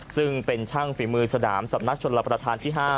ซึ่งเป็นช่างฝีมือสนามสำนักชนรับประทานที่๕